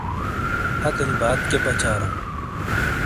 ہاتینی بات کئیے پچاراوں ؟